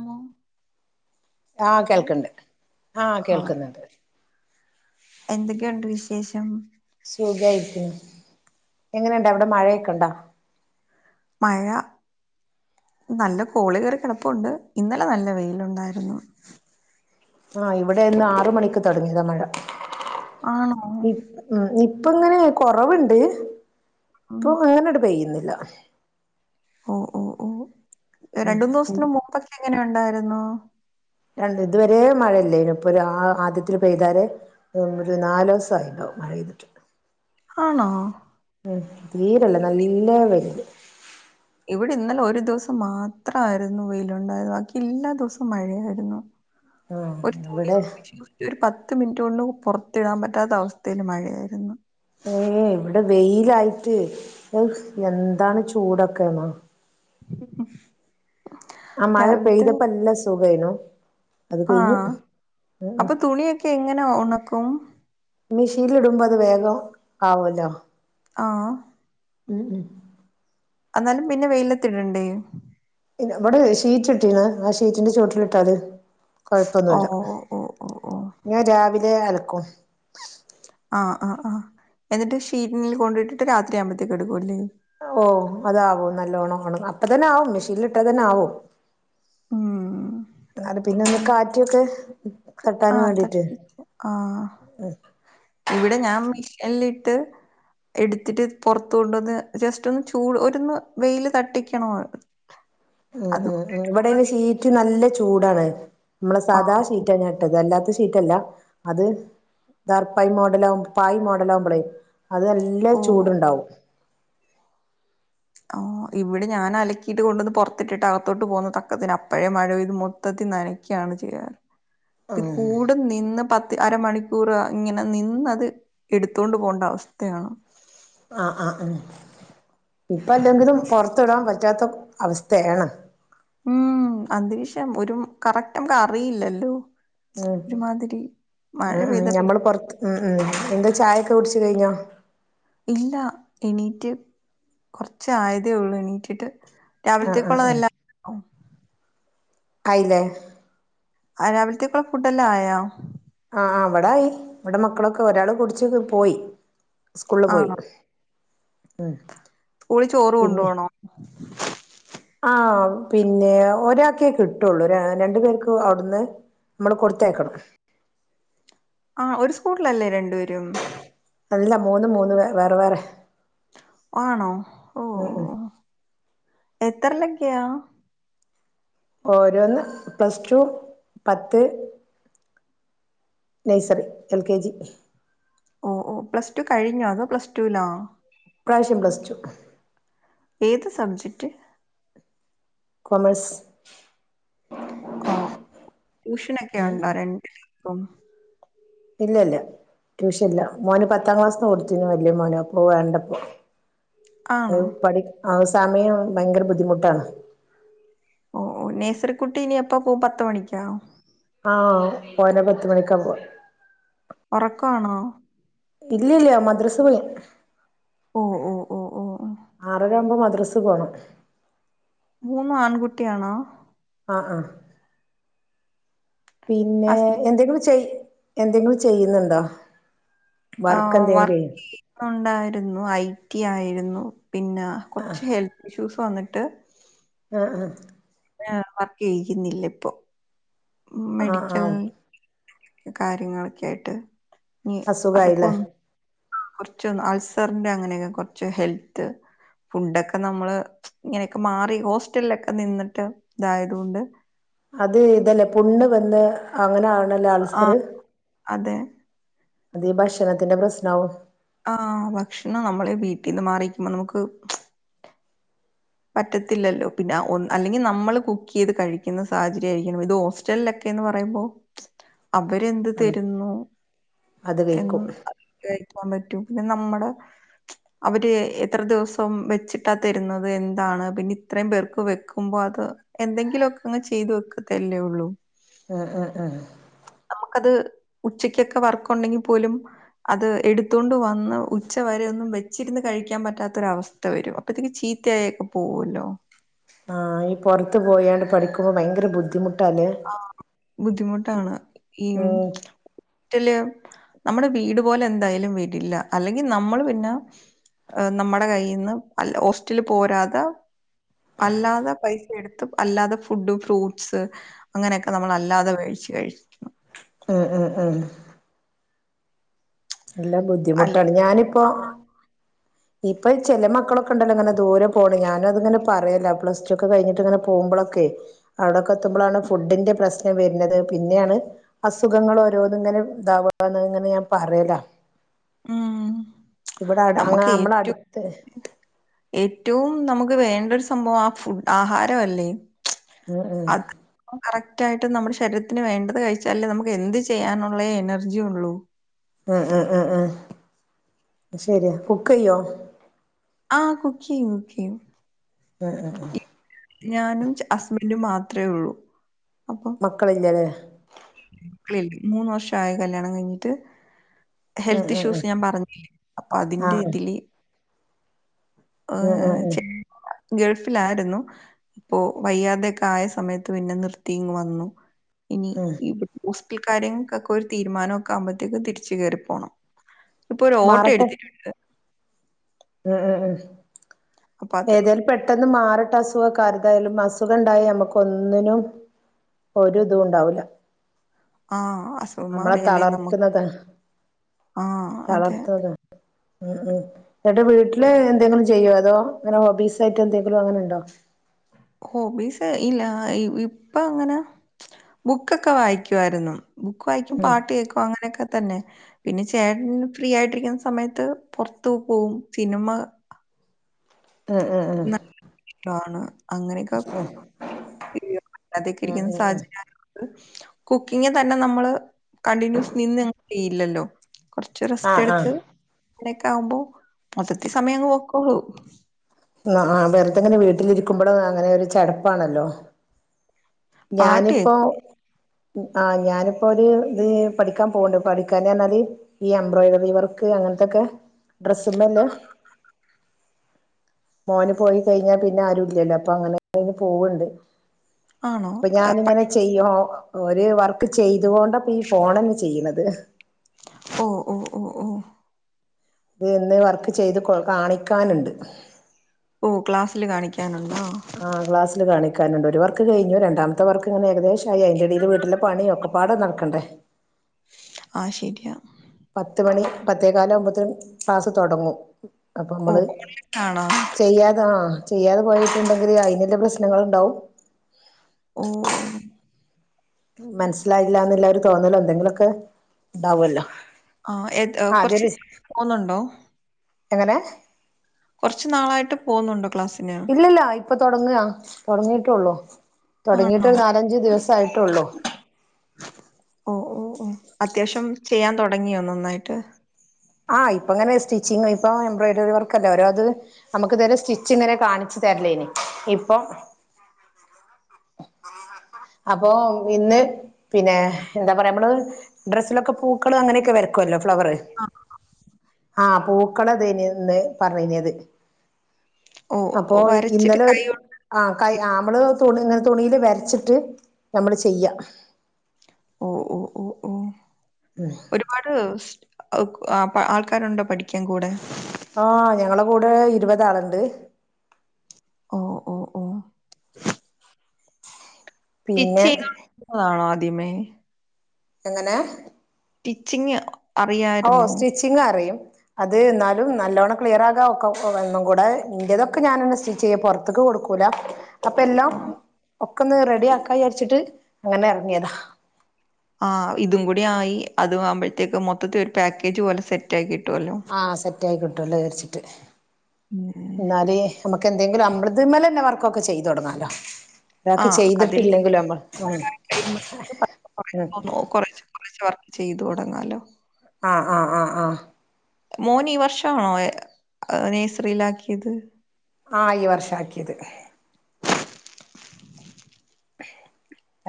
Hello ആഹ് hello കേൾക്ക്ണ്ട് ആഹ് കേൾക്കുന്ന് ണ്ട് എന്തൊക്കെയുണ്ട് വിശേഷം സുഖായിരിക്കുന്നു എങ്ങനണ്ട് അവിടെ മഴയൊക്കെണ്ടോ മഴ നല്ല കോള് കേറിക്കിടപ്പുണ്ട് ഇന്നലെ നല്ല വെയിലുണ്ടായിരുന്നു ആഹ് ഇവിടെ ഇന്ന് ആറു മണിക്ക് തുടങ്ങിയതാ മഴ ആണോ പ്പ ങ്ങനെ കൊറവ്ണ്ട് ഉം ഇപ്പൊ അങ്ങനെ ട് പെയ്യ്ന്ന് ല്ല ഒ ഒ ഓ എ രണ്ടൂന്നൂ സത്തിന് മുമ്പൊക്കെ എങ്ങനെ ഉണ്ടായിരുന്നു രണ്ട് ഇത് വരെ മഴല്ലേനി ഇപ്പൊ ഒരു ആദ്യത്തില് പെയ്താരെ ഒരു നാലോ സായി ണ്ടാവും മഴെയ്തിട്ട് ആണോ തീരല്ല നല്ല വെയ്ല് ഇവിടെ ഇന്നലെ ഒരു ദിവസം മാത്രയിരുന്നു വെയിലുണ്ടായത് ബാക്കി എല്ലാ ദിവസവും മഴയായിരുന്നു ആഹ് ഒരു ഇവിടെ തുണിയൊന്ന് വിരിച്ച് [unintelligible] ഒരു പത്ത് പത്ത് മിനിറ്റൊണ്ടും പൊർത്തിടാം പറ്റാത്ത അവസ്ഥയ് ല് മഴയായിരുന്നു ഏ ഇവിടെ വെയിലായിട്ട് അഅ് എന്താണ് ചൂടൊക്കെ ന്നോ ഉം ആ മഴ പെയ്തപ്പല്ല സു ഖെനു ആ അപ്പ തുണിയൊക്കെ എങ്ങനെ ഒണ ക്കും മെഷീലിടുമ്പോ അത് വേഗം ആവുല്ലോ ആ ഉം... അന്നാലും പിന്നെ വെയ്ലത്തിടണ്ടേ പിന്നെ അവിടെ ഷീറ്റ് ട്ടീണ് ആ ഷീറ്റിന്റെ ചുവട്ടിലിട്ടാത് ഓ കൊഴപ്പൊന്നുല്ല ഓ ഓ ഓ ഞാൻ രാവിലെ അലക്കും ക്കും ആ ആ ആ എന്നിട്ട് ഷീറ്റിനിൽ കൊണ്ടിട്ടിട്ട് രാത്രി ആകുമ്പഴത്തേക്ക് എട്ക്കൂല്ലേ ഓ അതാവും നല്ലോണം ഓണങ്ങ അപ്പ തെന്നാവും മെഷീനിലിട്ടാ തെന്നാവും.. ഉം അത് പിന്നൊന്ന് കാറ്റൊക്കെ ആ തട്ടാനും ത വേണ്ടിട്ട് ആ ഇവിടെ ഞാൻ മെഷിൻ എല്ലിട്ട് എടുത്തിട്ട് പുറത്ത് കൊണ്ട്ന്ന് ജസ്റ്റൊന്ന് ചൂട് ഒരൊന്ന് വെയിൽ തട്ടിക്കണോല്ലോ ഉം ഉം ഉം ഇവിടെ യ്ന് ഷീറ്റ് നല്ല ചൂടാണ് നമ്മളെ ആ സാധാ ഷീറ്റെന്നെട്ടത് അല്ലാത്ത ഷ്റ്റ് ഷിറ്റല്ല അത് ദർപ്പായി മോഡലകും പായ് മോഡലകുമ്പളെ അത് നല്ല ഓ ചൂട്ണ്ടാവും ആ ഇവിടെ ഞാനലക്കിട്ട് കൊണ്ടന്ന് പുറത്തിട്ടിട്ട് അകത്തോട്ട് പോകുന്ന തക്കത്തിന് അപ്പഴേ മഴ പെയ്ത് മൊത്തത്തി നനക്കിയാണ് ചെയ്യാർ ഇ ആഹ് കൂട് നിന്ന് പ തി അരമണിക്കൂർ ഇങ്ങനെ നിന്നത് എടുത്തോണ്ട് പോണ്ട അവസ്ഥയാണ് ആ ആ ആ ഇപ്പല്ലെങ്കിലും പുറാത്തിടൻ പറ്റാത്ത അവസ്ഥയാണ് ഉം... അന്തീക്ഷം ഒരു കറക്റ്റ് നമ്മുക്കാക്കറിയില്ലല്ലോ ഉം അ അ പെയ്ത ഞമ്മള് പിന്നെ പുറത്ത് അ അ എന്താ ചായൊക്കെ കുടിച്ചു കഴിഞ്ഞോ ഇല്ല എണീറ്റ് കുറച്ച ആയതേ ഉള്ളു എണീറ്റ് ട്ട് ആഹ് ആഹ് രാവിലത്തേക്കള്ളതല്ലാം അയില്ല.. രാവിലത്തേക്കുള്ള ഫുഡ് എല്ലാം ആയോ ആ അവിടെയി ഇവിടെ മക്കളൊക്കെ ഒരാൾ കുടിച്ച് പോയി സ്കൂളിൽ പോയി ആണോ ഉം സ്കൂളിൽ ചോറ് കൊണ്ടു പോണോ ആ പിന്നെ ഒരാൾക്കേ കിട്ടുള്ളൂ ഒ രണ്ടു പേർക്ക് അവിടുന്ന് നമ്മള് കൊടുത്ത് അയക്കണം ആ ഒരു സ്കൂളിലല്ലേ രണ്ടുപേരും അല്ല മൂന്നൂം മൂന്ന് വേറെ വേറെ ആണോ ഓ ഉം ഓ ഉം ഓ എത്ര ലക്കയാ ഓ ഓരോന്ന് പ്ലസ് ടു പത്ത് നഴ്സറി, എൽ കെ ജി ഓ ഓ പ്ലസ് ടു കഴിഞ്ഞോ അതോ പ്ലസ് ടു ലോ ഈ പ്രാവശ്യം പ്ലസ് ടു ഏത് സബ്ജക്ട് കൊമേഴ്സ് ഓ ട്യൂഷനൊക്കെ ഒണ്ടോ രണ്ട് [inaudible] ഇല്ല ഇല്ല ട്യൂഷൻ ഇല്ല മോന് പത്താം ക്ലാസ്സ്ന്ന് കൊടുത്തീന്നു വല്യ മോന് അപ്പ വേണ്ടപ്പോ ആണോ [unintelligible] സമയം ഭയങ്കര ബുദ്ധിമുട്ടാണ് ഓ ഓ നേഴ്സറിക്കുട്ടി നി എപ്പ പോകും പത്ത് മണിക്കോ ആ മോനെ പത്ത് മണിക്കാ പോവ ഒറക്കാണോ ഇല്ല ഇല്ല മദ്രസ ഓ ഓ ഓ ഓ ഓ. ആ ഏഴരാ ആവുമ്പോ മദ്രസ് പോണം മൂന്ന് ആൺകുട്ടിയാണോ ആ ആ പിന്നെ ഹസ് എന്തെങ്കിലും ചെയ്യ് എന്തെങ്കിലും ചെയ്യുന്നുണ്ടോ ആ എന്തെങ്കിലും വർക്ക് ചെയ്യ ചെയുന്നുണ്ടായിരുന്നു ഐ ടി ആയിരുന്നു ഉ പിന്നെ കൊറച്ച് ഹെൽത്ത് ഇഷ്യൂ [unintelligible] വന്നിട്ട് ആ ആ അ വർക്ക് ചെയ്ക്ന്നില്ലപ്പൊ ആഹ് ആഹ് മെഡിക്കൽ ആഹ് കാര്യങ്ങളൊക്കെയായിട്ട് ഞ്ഞി അസുഖായില്ലേ അതൊകൊന്ന് ആ കൊർച്ചൊന്ന് അൾസറിന്റെ അങ്ങനെയൊക്കെ കൊർച്ച് ഹെൽത്ത് ഫുഡൊക്കെ നമ്മള് ഇങ്ങനൊക്കെ മാറി ഹോസ്റ്റൽലൊക്കെ നിന്നിട്ട് ഇതായതുകൊണ്ട് അത് ഇതല്ലേ പുണ്ണ് വെന്ന് അങ്ങനെ ആവ് ആ അതെ എന്തേം ഭക്ഷണത്തിന്റെ പ്രശ്നാവും ആ ഭക്ഷണം നമ്മളെ വീട്ടിന്ന് മാറിരിക്കുമ്പോ നമ്മക്ക് പറ്റത്തില്ലല്ലോ പിന്നെ ഒ അല്ലെങ്കിൽ നമ്മള് കുക്കെയ്ത് കഴിക്കുന്ന സാഹചര്യായിരിക്കണം ഇത് ഹോസ്റ്റലിലൊക്കെന്ന് പറയുമ്പോ ആഹ് അവരെന്ത്തെരുന്നു അത് കഴിക്കും എന്ന് പറ്റും പിന്നെ നമ്മള് അവര് എത്ര ദിവസം വെച്ചിട്ടാ തരുന്നത് എൻ ന്താണ് പിന്നെ ഇത്രേയും പേർക്ക് വെക്കുമ്പോ അത് എന്തെങ്കിലൊക്കങ്ങ് ചെയ്തു വെക്കത്തല്ലേ ഉള്ളു ആ ആ ആ ഉച്ചക്കൊക്കെ വർക്കൊണ്ടെങ്കി പോലും അത് എടുത്തൊണ്ട് വന്ന് ഉച്ച വരെ ഒന്നും വെച്ചിരുന്ന് കഴിക്കാൻ പറ്റാത്തൊരവസ്ഥ വരും അപ്പത്തേക്ക് ചീത്തയായേക്കും പോവുല്ലോ ആ ഈ പൊർത്ത് പോയാണ്ട് പഠിക്കുമ്പോ ഭയങ്കര ബുദ്ധിമുട് ആ ബുദ്ദിമുട് ട്ടാണ് ഉം ഹോസ്റ്റ്ല് നമ്മുടെ വീട് പോലെ എന്തായാലും വരില്ല അല്ലെങ്കിൽ നമ്മൾ പിന്നെ നമ്മടെ കയ്യീന്ന് അല്ല ഹോസ്റ്റ്ല് പോരാതെ അല്ലാതെ പൈസ എടുത്ത് അല്ലാതെ ഫുഡ് ഫ്രൂട്ട്സ് അങ്ങനെയൊക്കെ നമ്മൾ അല്ലാതെ വേഴിച്ചച്ച് കഴിച്ചിരുന്നു മ്മ് മ്മ് നല്ല അല്ലെ ബുദ്ധിമുട്ടാണ് ഞാനിപ്പോ ആഹ്. ഇപ്പൊ ചെലെ മക്കളൊക്കണ്ടല്ലോ ഇങ്ങനെ ദൂരെ പോവ്ണ് ഞാനു അത്ങ്ങനെ പറയല്ല പ്ലസ് ടു ഒക്കെ കഴിഞ്ഞിട്ട് ഇങ്ങനെ പോകുമ്പോളൊക്കെ അവിടൊക്കെ ത്തുമ്പളാണ് ഫുഡിന്റെ പ്രശ്നം വെര്ണത് പിന്നെയാണ് അസുഖങ്ങൾ ഓരോന്ന്ങ്ങനെ ഇതാവ്ആന്ന് ഇങ്ങനെ ഞാൻ പറയല മ്മ് ഇവിടെ അങ്ങ നമുക്ക് നമ്മള ഏറ്റവും അടുത്ത് ഏറ്റവും നമുക്ക് ക്ക് വേണ്ട ഒരു സംഭവം ആ ഫുഡ് ആഹാരൊവല്ലേ ഉം ഉം അത് കറക്ട് തായിട്ട് നമ്മുടെ ശരീരത്തിന് വേണ്ടത് കഴിച്ചാലല്ലേ നമക്ക് എന്ത് ചെയ്യാനുള്ള എനർജിയൊള്ളൂ ആ ആ ആ ആ ശരിയാ കുക്കെയ്യോ ആ കുക്കെയും കുക്കെയും ആആ ആ ഞാനും ഹസ്ബൻ്റും മാത്രേ ഉള്ളൂ മക്കള ഇല്ലാല മൂന്ന് വർഷ ആയി കല്യാണം കഴിഞ്ഞിട്ട് ഉം ഹെൽത്ത് ഉം ഉം ഇഷ്യൂസ് ഞാൻ പറഞ്ഞില്ലേ അപ്പൊ അതിറെ ആഹ് ഇതില് ആ ഉം ഉം ഉം ശരി ഗൾഫിലായിരുന്നു ഇപ്പോ വയ്യാതെയൊക്കെ ആയ സമയത്ത് പിന്നെ നിർത്തിങ് വന്നു ഇനി ഉം ഇവി ക്കാരക്കൊക്കെ ഒരു തീരുമാനമ ഒക്കെ ആകുമ്പോഴത്തേക്കും തിരിച്ചു കയറിപ്പോണം ഇപ്പൊ ഒരു ഓട്ടോ എടുത്തിട്ടണ്ട് ആ ആ ആ അപ്പൊ അത് ഏതായാലും പെട്ടെന്ന് മാറിട്ടെ അസുഖ കാ രുതായാലും അസുഖം ഉണ്ടായി നമുക്ക് ഒന്നിനും ഒരു തും ഉണ്ടാവൂല്ല ആ അസുഖ മാറിയല്ലേ നമുക്ക് ആ അതെ തളർത്തുന്നതാ ഉം ഉം യന്നിട്ട് വീട്ടില് എന്തെങ്കിലും ചെയ്യോ അതോ അങ്ങനെ ഹോബീസ് ആയിട്ട് എന്തെങ്കിലും അങ്ങനെ ഉണ്ടോ ഹോബീസ് ഇല്ല ഇപ്പൊ അങ്ങനെ ബുക്കൊക്കെ വായിക്കുായിരുന്നു ബുക്ക് വായിക്കും ഉം പാട്ട് കേൾക്കും അങ്ങനെയൊക്കെ തന്നെ പിന്നെ ചേട്ടൻ ഫ്രീ ആയിട്ടിരിക്കുന്ന സമയത്ത് പുറത്ത് പോകും സിനിമ ആ ആ ആ ഷ്ടമാണ് അങ്ങനെയൊക്കെ വറ്റാതക്കെ ഉം ഇരിക്കുന്ന ഉം ഉം സാഹചര്യ കുക്കിംഗ തന്നെ നമ്മള് കണ്ടിന്യൂസ് നിന്ന് ചെയ്യില്ലല്ലോ കുറച്ച് റെസ്റ്റ് ആഹ് ആഹ് എടുത്ത് അങ്ങനൊക്കെ ആവുമ്പോ മൊത്തത്തി സമയം അങ്ങ് നോക്കള്ളൂ ആ വെറുതെങ്ങനെ വീട്ടിലിരിക്കുമ്പോഴ അങ്ങനെ ഒരു ചെടപ്പാണല്ലോ പാട്ട് ഞാനിപ്പോ കേക്കും. ആഹ് ഞാനിപ്പോ ഒരു ഇത് പഠിക്കാൻ പോവണ്ട് പഠിക്കാന പറഞ്ഞാല് ഈ എംബ്രോയ്ഡറി വർക്ക് അങ്ങനത്തെൊക്കെ ഡ്രെസ്സ്മല്ലേ മോന് പോയി കഴിഞ്ഞാ പിന്നെ ആരു ഇല്ലല്ലോ അപ്പൊ അങ്ങനെ പോവണ്ട് ആണോ അപ്പൊ ഏഹ്, ഞാനിങ്ങനെ ചെയ്യോ ഒരു വർക്ക് ചെയ്തുകൊണ്ടപ്പ ഈ ഫോൺന്നെ ചെയ്യണത് ഓ ഓ ഓ ഓ. ഇത് ഇന്ന് വർക്ക് ചെയ്ത് കാണിക്കാന് ണ്ട്. ഓ ക്ലാസ്സില് കാണിക്കാനു ആ ക്ലാസ്സില് കാണി ക്കാന്ണ്ട്. ഒരു വർക്ക് കഴിഞ്ഞു. രണ്ടാമത്തെ വർക്ക്ങ്ങനെ ഏകദേശ അയിന്റടീല് വീട്ടില് പണിയൊക്കെ പ്പാ പ്പാടേ നട്ക്കണ്ടേ. ആ ശരിയാ. പത്ത് മണി പത്തേ കാലാവ്മ്പോ ത്തിനും ക്ലാസ് തൊടങ്ങും. ഓ അപ്പമ്മള് ഓൺലൈൻ ആണോ? ചെയ്യാതാ ആ ചെയ്യാതെ പോയിട്ട്ണ്ടെങ്കില് അയിന്ള്ള പ്രശ്നങ്ങള്ണ്ടാവും. ഓ. മൻസ്സ്ലായില്ലാന്ന്ല്ലൊരു തോന്നലോ എന്തെങ്കിലൊക്കെ ണ്ടാവല്ലോ. ആ ഏത് കൊർച്ച് നേരം പോന്നുണ്ടോ? എങ്ങനെ. കൊർച്ചു നാളായിട്ട് പോന്നുണ്ടോ ക്ലാസ് ഇല്ലല്ല ഇപ്പൊ തൊടങ്ങാ. തൊട്ങ്ങീട്ടുള്ളു. ആണോ? തൊട്ങ്ങീട്ട് നാലഞ്ചു ദിവസായിട്ട്ള്ളൂ. ഓ, ഓ, ഓ. അത്യാവശ്യം ചെയ്യാൻ തൊടങ്ങിയോ നന്നായിട്ട്? ആഹ്. ഇപ്പ ഇങ്ങനെ സ്റ്റിച്ചിങ് ഇപ്പൊ എംബ്രോയ്ഡറി വർക്കല്ലെ ഓരോത് നമ്മക്ക് തെരെ സ്റ്റിച്ചിങ്ങനെ കാണിച്ച് തര്ലേനി. ഇപ്പം അപ്പോ ഇന്ന് പിന്നെ എന്താ പറയാ നമ്മള് ഡ്രെസ്സിലൊക്കെ പൂക്കള് അങ്ങനെക്കെ വര്ക്കൊല്ലൊ. ഫ്ലവറ് ആ. ആഹ് പൂക്കളതേനിന്ന് പറഞ്ഞത് ഓ, ഓ, അപ്പൊ വരച്ചിട്ട് ഇന്നലെ കൈ ഒരു ആഹ് ഒടിഞ്ഞ് കയാ മ്മള് തുണി ങ്ങനെ തുണീല് വരച്ച്ട്ട് നമ്മള് ചെയ്യാ ഓഹ് ഓഹ് ഓഹ് ഓഹ് ഒരുപാട് ഓഹ് ആഹ് ആൾക്കാരുണ്ടോ പഠിക്കാൻ കൂടെ ആഹ് ഞങ്ങളെ കൂടെ ഇരുപതാള്ണ്ട് ഓ ഓ ഓ പിന്നെ ടിചെയ്യാൻ ആഹ് അത് തിമേ എങ്ങനെ ടിച്ചിങ് ഓ സ്റ്റിച്ചിങ് അറിയും അത് ന്നാലും നല്ലോണ്ണം ക്ലിയർ ആകാം ഒക്കെ ഒന്നും കൂടെ ഇന്റതൊക്കെ ഞാനെന്നെ സ്റ്റിച്ച് ചെയ്യും പൊറത്ത്ക്ക് കൊടുക്കൂല അപ്പ എല്ലാം ഓ. ഒക്കൊന്ന് റെഡി ആക്കാ വ്യചാരിച്ചിട്ട് അങ്ങനെ എറങ്യെതാ ആ ഇതും കൂടി ആയി അത് ആവുമ്പഴത്തേക്ക് മൊത്തത്തിലൊരു ഒരു പാക്കേജ് പോലെ സെറ്റ് ആക്കിട്ട് ആഹ് സെറ്റ് ആക്കികിട്ട് ട്ടൊല്ലൊ ചാർച്ചിട്ട് ഉം. എന്നാല് എന്തെങ്കിലുമ്മളത് മ്മലെവർക്കൊക്കെ ചെയ്തു തൊടങ്ങാലോ ആ അതില് ഉം കഴിയുമ്പതോനും കൊറച്ച് കൊറച്ചൊക്കെ ചെയ്തു തൊടങ്ങാലോ ആഹ് ആഹ് ആഹ് ആഹ് മോനീ ഈ വർഷാണോ നേഴ്സറിയിലാക്കിയത് ആഹ് ഈ വർഷാ ആക്കിയത്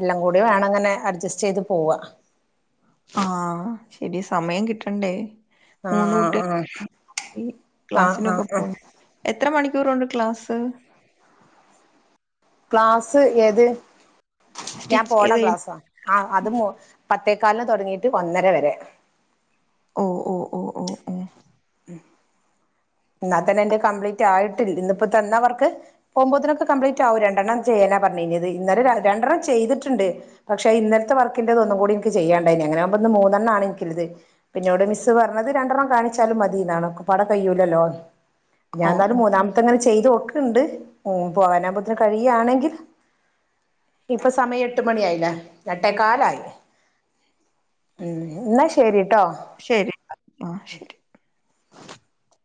എല്ലാം കൂടെ വേണിങ്ങനെ അഡ്ജസ്റ്റ് ചെയ്ത് പോവാ ആ ശെരിയ സമയം കിട്ടണ്ടേ ആഹ് മൂന്ന് ആഹ് ആഹ് കുട്ടികൾ ആഹ് ക്ളാസിനൊക്കെ ആഹ് ആഹ് പോണ്ടേ എത്ര മണിക്കൂർ ഉണ്ട് ക്ലാസ് ക്ലാസ് എത് ഞാൻ സ്റ്റിച്ച് പോണ ചെയ്ത് കഴിയുമ്പോ ക്ലാസ്സാ ആ അത് പത്തേക്കാലിന് തുടങ്ങിട്ട് ഒന്നര വരെ ഓ ഓ ഓ ഓ ഓ എന്നാ തന്നെ എന്റെ കംപ്ലീറ്റ് ആയിട്ടില്ല ഇന്നിപ്പോ തന്ന വർക്ക് പോകുമ്പോത്തിനൊക്കെ കംപ്ലീറ്റ് ആവും രണ്ടെണ്ണം ചെയ്യാനാ പറഞ്ഞഞ്ഴഞ്ഞത് ഇന്നല രണ്ടെണ്ണം ചെയ്തിട്ടുണ്ട് പക്ഷെ ഇന്നലത്തെ വർക്കിറത് ഒന്നും കൂടി എനിക്ക് ചെയ്യാണ്ടായിന് അങ്ങനെകുമ്പ ഇന്ന് മൂന്നെണ്ണംണ് എനിക്കത് പിന്നോട് മിസ്സ് പറഞ്ഞത് രണ്ടെണ്ണം കാണിച്ച ച്ചാലും മതിന്നാണ് പട കയ്യൂലല്ലോ ഞാൻ ഓ എന്നാലും ഓ മൂന്നാമത്തെങ്ങെ ചെയ്ത് നോക്ക് ണ്ട് ഉം പോകാനാകുമ്പോത്തന് കഴിയയാണെങ്കിൽ ഇപ്പൊ സമയം എട്ട് മണി ആായില്ല എട്ടേക്കാലായി ഉം എന്നാ ശരി ശരി ആഹ് ശരി [inaudible]